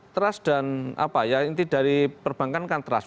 trust dan apa ya inti dari perbankan kan trust